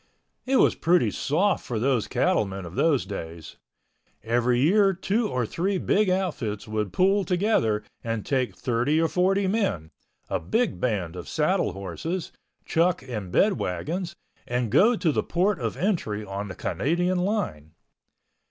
It was pretty soft for those cattlemen of those days. Every year two or three big outfits would pool together and take thirty or forty men, a big band of saddle horses, chuck and bed wagons, and go to the Port of Entry on the Canadian line.